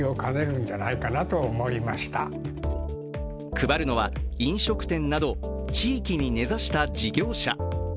配るのは飲食店など地域に根ざした事業者。